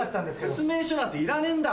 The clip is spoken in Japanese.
説明書なんていらねえんだ！